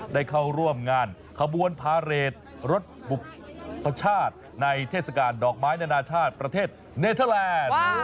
ได้เข้าร่วมงานขบวนพาเรทรถบุพชาติในเทศกาลดอกไม้นานาชาติประเทศเนเทอร์แลนด์